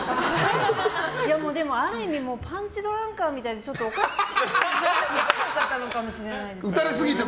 でも、ある意味パンチドランカーみたいにちょっとおかしくなっちゃったのかもしれないです。